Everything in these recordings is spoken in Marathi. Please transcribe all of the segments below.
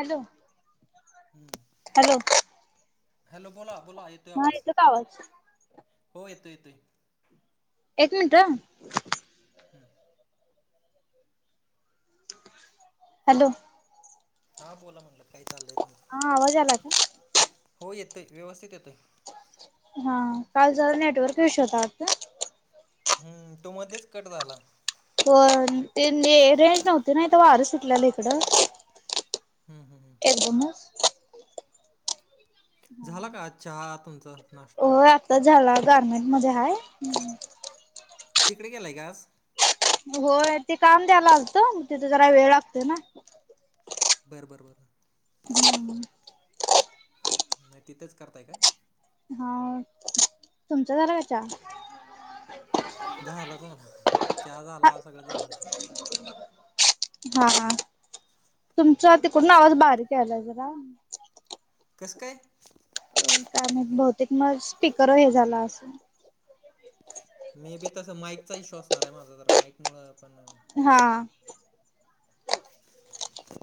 हॅलो हॅलो हॅलो बोला बोला येतोय हा आवाज. येतो का आवाज हो येतो येतोय. एक मिनटं हम्म. हॅलो हा बोला म्हणलं काय चाललंय? तुमचं हा आवाज आला का? हो येतोय व्यवस्थित येतोय. हा काल जरा नेटवर्क इशू होता वाटतं. हम्म तू मध्येच कट झाला. पण ते ने रेंज नव्हती नाही तर वारे सुटलेला इकडं. हम्, हम, हम बम झाला का चहा तुमचा नाश्ता? तर झाला गार्मेंट मध्ये हाय. तिकडे गेलाय आज होय ते काम द्यायला आलतो मग तिथे जरा वेळ लागते ना बरं, बरं, बरं हम् नाही तिथंच करताय काय हा तुमचा झाला का चहा झालं, झालं चहा झाला सगळं झालं आता हा तुमचा तिकडून आवाज बारीक केलय जरा कस काय? होय काय माहीत बहुतेक मग स्पीकर हे झाला असन मे बी तस माइकचा इश्यू असणार आहे माझा तर माईक मुळ पण हा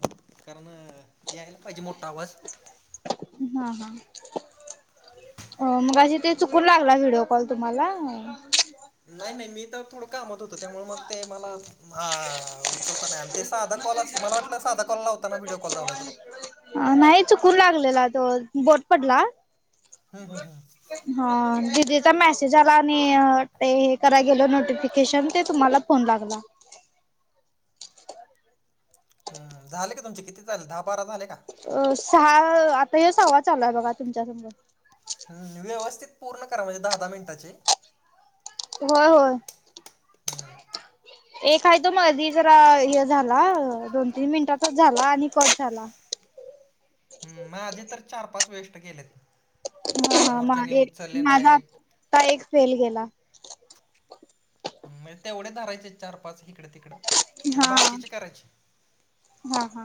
कारण यायला पाहिजे मोठा आवाज हा, हा अ मगाशी ते चुकून लागला व्हिडिओ कॉल तुम्हाला नाही, नाही मी तर थोडं कामत होत त्यामुळे मग ते मला आ उचलता नाही आला ते साधा कॉल असत मला वाटलं साधा कॉल लावताना होता व्हडिओ कॉल झाला तो नाही चुकून लागलेला तो बोट पडला ह, ह, ह ह दिदीचा मेसेज आला आणि हे करायला गेलो नोटिफिकेशन ते तुम्हाला फोन लागला हा झाले का तुमचे किती झाले दहा बारा झाले का अ सहा आता हे सहावा चालूय बघा तुमच्या संग हम्म व्यवस्थित पूर्ण करा म्हणजे दहा, दहा मिनिटाचे होय, होय हम एक आहे तो मधी जरा हे झाला दोन, तीन मिनिटांचाच झाला आणि कट झाला माझे तर चार पाच वेस्ट गेलेत ह हा मा समोरच्याने उचलले माझा नाहीत आता एक फेल गेला म्हणजे तेवढे धरायचे चार पाच इिकडे तिकडं पण हा बाकीचे करायचे हा, हा,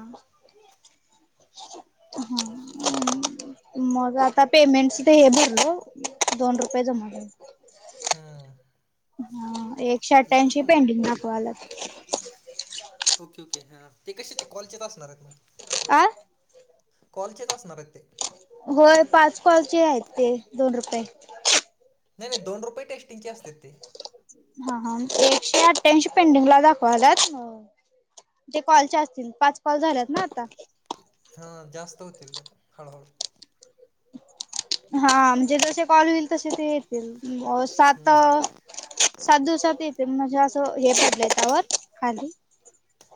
ह मग आता पेमेंट ते हे भरल दोन रुपया जमा झालं ह ह एकशे अठ्ठ्याऐंशी पेंडिंग दाखवायल्यात ओके, ओके ते कशाचे कॉलचे तर असणार आहेत मग आं कॉलचेच असणार ते होय पाच कॉलचे आहेत ते दोन रुपये नाही, नाही दोन रुपये टेस्टिंगचे असतेत ते हा, हा एकशे अठ्ठ्यांशी पेंडिंगला दाखवाल्यात तेे कॉलचे असतील पाच कॉल झाल्यात ना आता हां जास्त होतील त्यात हळूहळू हा म्हणजे जसे कॉल होईल तसे ते येतील अ सात हम्म सात दिवसात येते म्हणजे असं हे पडलं त्यावर खाली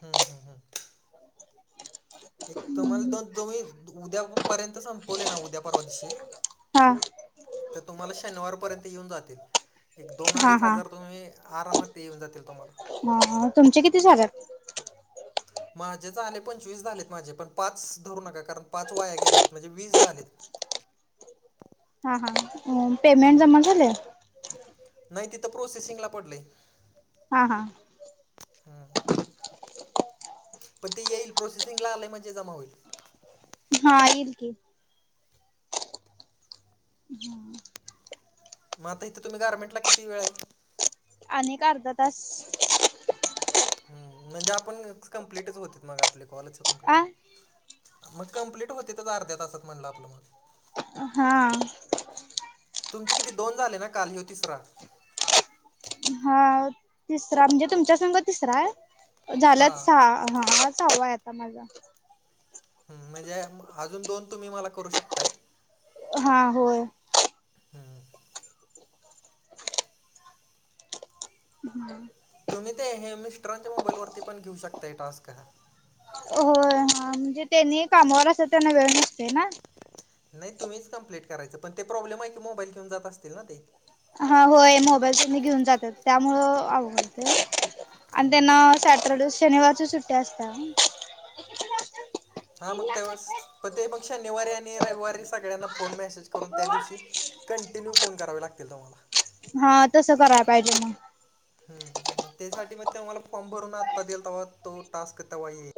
हम्म हम्म हम्म. एक तुम्हाला दोन तुम्ही उद्या पर्यंत संपवले ना उद्या परवा दिशी हा तर तुम्हाला शनिवारपर्यंत येऊन जातील एक दोन हा अडीच हा हजार तुम्ही आरामात येऊन जातील तुम्हाला. म तुमचे किती झालेत? माझेच आले पंचवीस झालेत माझे पण पाच धरू नका कारण पाच वाया गेलेले म्हणजे वीस झालेत. हा हा उम पेमेंट हम्म. जमा झालंय. नाही तिथं प्रोसेसिंगला पडले. हा हा. हम्म. पण ते येईल प्रोसेसिंगला आलंय म्हणजे जमा होईल. हा येईल की. हां म आता इथे तुम्ही गरमेंटला किती वेळ आहे? आणि एक अर्धा तास. हम्म म्हणजे आपण कंप्लीटच होतेत मग आपले कॉलेजच कंप्लीट आ होते. मग कंप्लीट होतेच अर्ध्या तासात म्हटलं आपलं मग. हां. तुमचे किती दोन झाले ना काल हेऊ तिसरा. हाव तिसरा म्हणजे तुमच्या संग तिसरा आहे झालते हां सहा हा सहावा आहे आता माझा. हम्म म्हणजे म अजून दोन तुम्ही मला करू शकताय. हा होय. हम्म. हा. तुम्ही ते हेमिस्ट्रॉ ते मोबाईलवरती पण घेऊ शकता आहे टास्क हा. होय हा म्हणजे त्यांनी कामावर असे त्यांना वेळ नसते ना. नाही तुम्हीच कंप्लेट करायचं पण ते प्रॉब्लेम आहे मोबाईल घेऊ जात असतील ना ते. हा होय मोबाईल तेनी घेऊन जातात त्यामुळं अघवडते. आणि हां. त्यांना सॅटरडे शनिवारची सुट्टी असता हा. हा मग त्यावेळेस प ते मग शनिवारी आणि रविवारी सगळ्यांना फोन मेसेज करून त्या दिवशी कंटिन्यू फोन करावे लागतील तुम्हाला. हा तसं कराय पाहिजे म. हम्म त्यासाठी मग ते मला फॉर्म भरून आत्ता दियल तेव्हा तो टास्क तेव्हा येई.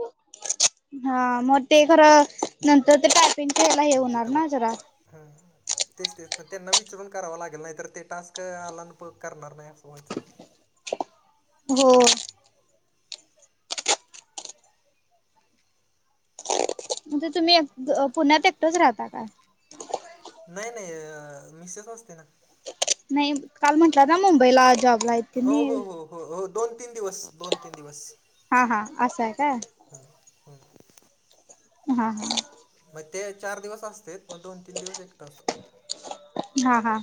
हा मग ते खरं नंतर ते पायपिंग खेयला हे होणार तिथं ना जरा. हा हा. तेच तेच पण त्यांना विचरून करावं लागेल नाही तर ते टास्क आला न प करणार नाही असं होयत. हो. म्हणते तुम्ही एक ग अ पुण्यात एकटाच राहता का? नाही नाही मिसेज असते ना. नाही काल म्हटलं ना मुंबईला जॉब हो हो हो हो हो दोन-तीन दिवस, दोन-तीन दिवस हा हा असं आहे काय? हम्म हम्म. हा हा. मग ते चार दिवस असते मग दोन-तीन दिवस एकटा असतो. हा हा.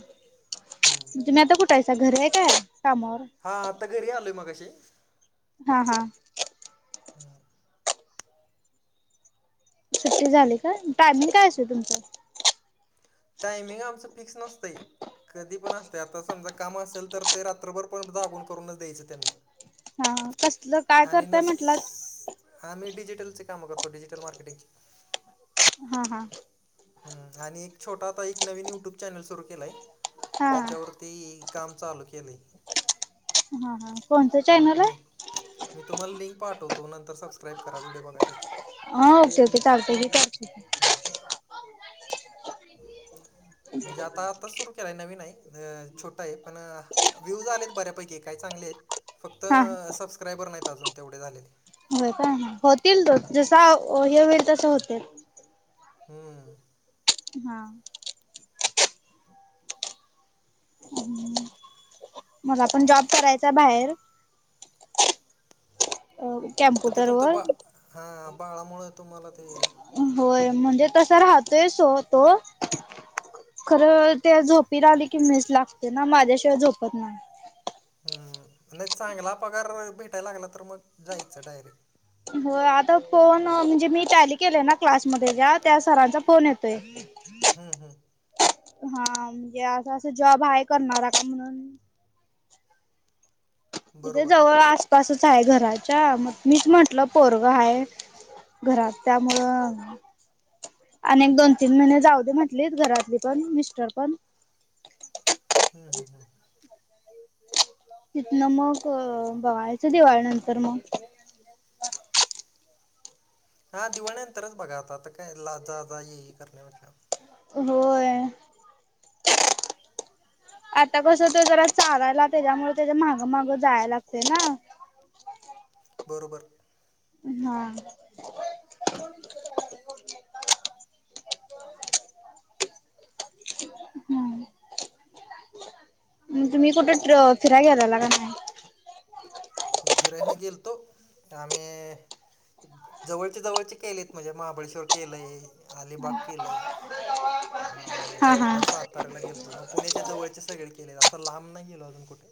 हम्म. तुम्ही आता कुठायच घर आहे काय कामावर हां आता घरी आलोय मगाशी हा हा. सुट्टी झाले का टायमिंग काय असेल तुमचं? टायमिंग आमचं फिक्स नसतय. कधी पण असते आता समजा काम असेल तर ते रात्रभर पण जागून करूनच द्यायचं त्यांना. हा कसलं काय आणि करतय नस म्हटलं? आम्ही डजिटलचे काम करतोडजिटल मार्केटिंग हा हा. ह् आणि एक छोटा आता एक नवीन युट्यूब चॅनल सुरू केलाय हा त्याच्यावर ती काम चालू केले. हा हा कोणतं चॅनल हम्म, नाही आहे. मी तुम्हाला लिंक पाठवतो नंतर सबस्क्राईब करा व्हिडिओ बघा त्याचे हा ओके ओके चालतंय मी करते. हम. [inaudible] म्हणजे आता आता सुरू केलाय नवीन आहे छोटं आहे पण व्ह्यूज आले आहेत बऱ्यापैकी काय चांगले आहेत फक्त हा सबस्क्रायबर नाहीत अजून तेवढे झालेले. होय काय होतील तो जसा हे होईल तसं होतील. हम्म. हा. मला पण जॉब करायचा बाहेर ते कॅम्प्युटर तुमचं वर बा हा बाळामुळे तुम्हाला ते होय म्हणजे तस राहतोय सो तो खरं ते झोपी राहिले की मीच लागते ना माझ्याशिवाय झोपत नाही. हम् नाही चांगला पगार भेटायला लागला तर मग जायचं डायरेक्ट हो आता फोन म्हणजे मी टॅली केलेय ना क्लासमध्ये ज्या त्या सरांचा फोन येतोय. हम्म हम्. हा म्हणजे असं असं जॉब आहे करणारा का म्हणून इथे बरोबर जवळ आसपासच आहे घराच्या मग मीच म्हंटलं पोरग आहे. घरात त्यामुळं. अ एक दोन तीन महिने जाऊ दे म्हटलीत घरातली पण मिस्टर पण हम् हम हम्. तिथ ना मग बवाळच्या दिवाळी नंतर मग हा दिवाळीनंतरच बघा आता आता काय ला जा जा ये करण्यापेक्षा होय. आता कसं ते जरा चालायला त्याच्यामुळे त्याच्या माहागं मागं जायला लागते ना. बरोबर. हा. हम्. तुम्ही कुठे फिराय घ्याय लाग नाही. फिरय गेलतो आम्. जवळचे जवळचे केलेत म्हणजे महाबळेश्वर केलंय अलिबाग केलंय. [unintelligible] अ हा हा हेकडं सातारऱयला गेलतो मग पुण्याच्या जवळचे सगळे केले असं लांब नाही गेल अजून कुठे?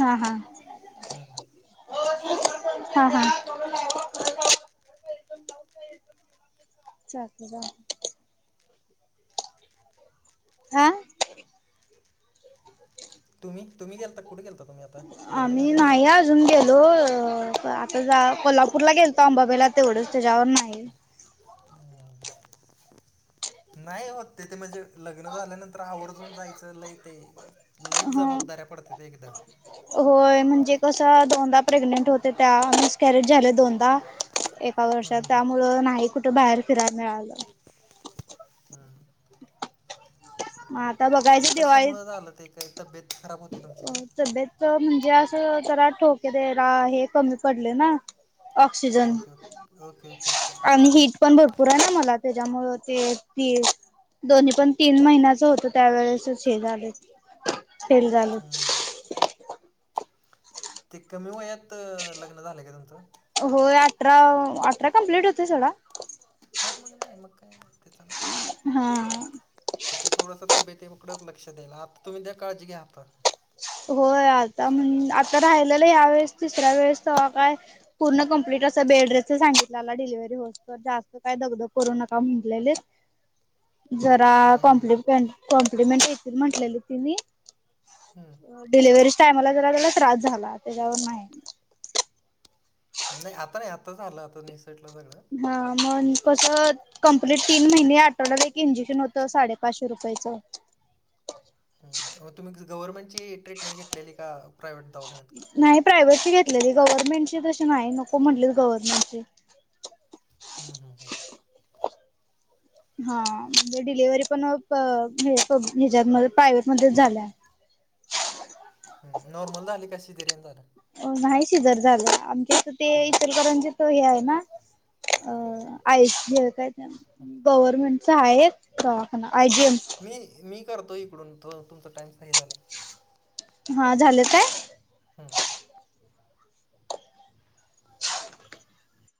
हा हा. हा हा. हा हा. जा जा. हा. तुमही तु्ही गेता कुठे गेलता तु्ही आता लग्न झाल्यानंतर माया. अजून गेलो अ आता जा कोल्हापूरला गेलता अंबाबाईला तेवढंच त्याच्यावर नाही नाही होत ते ते म्हणजे लग्न झाल्यानंतर आवर्जून जायचं लय ते लईच ह जबाबदाऱ्या पडत्या ते एकदा. होय म्हणजे कसं दोनदा प्रेग्नेंट होते त्या मिस कॅरेज झाल्या दोनदा एका वर्षा हम्म हम्म. त्यामुळं नाही कुठे बाहेर फिराय मिळालं. हम्म. म आता ते बघायची दिवाळीत. कशामुळं झालं तेक ते तब्येत खराब होती तुमची का? तब्येत म्हणजे असं जरा ठोके दे रा हे कमी पडले ना. Oxygen okay okay okay okay okay okay आणि हिट पण भरपुर आहे ना मला त्याच्यामुळं ते तिळ दोन्ही पण तीन महिन्याच होतं त्यावेेळेसच हे झाले फेल झालेत. हम्म. ते कमी वयात लग्न झालंय का तुमचं? होय अठराव अठरा कम्प्लीट होतयं सडा. हा मग नाही मग काय नाय त्याचा नाय. हां. सध्या थोडंस तब्येतीकडेच लक्ष द्याला आता तुम्ही काळजी घ्या आता. होय आता म्हण आता राहिलेलं यावेेळेस तिसऱ्या वेळेस तेव्हा काय पूर्ण कमप्लीट असं बेडरेस्टचा सांगितलेला डिलिवरी होस तर जास्त काय दगधग करू नका म्हटलेले. जरा हम्म, हम्म, कॉम्प्लेपन कॉम्प्लिमेंट येतील म्हटलेली तीनी. हम्म. डिलिव्हरीच टाईमला जरा त्याला त्रास झाला त्याच्यावर नाही. नाही आता आता झालं आता निसटलं सगळं. हा मन कशात कंप्लीट तीन महिने आठवड्याला एक इंजेक्शन होतं साडेपाचशे रुपयाचं. हम्म अहो तुम्ही गव्हनमेंटची ट्रीटमेंट घेतलेली का प्रायव्हेट दवाखान्यात? नाही प्रायव्हेटची घेतलेली गव्हर्नमेंटची तशी नाही नको म्हटली गव्हर्नमेंटची. हम्म हम्म हम्म. हा म्हणजे डिलेव्हरी पण प हे प हेज्यात मध्ये प्राइवेटमध्येच झाल्या. हम्म नॉर्मल झाली का शिजेरियन झाला? अ नाही शिजर झालं आमक्यात ते हम्म. इतरकरांचे तर हे आहे ना. अ आय शी आहे काय त्यांना गव्हर्मेंटचा आहे. दवाखाना आजेम मी मी करतो इकडून त तुमचा टाईम्स नाही झालयं. हा झालं काय? हम्म. [unintelligible]